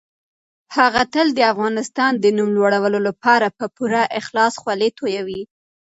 هغه تل د افغانستان د نوم لوړولو لپاره په پوره اخلاص خولې تويوي.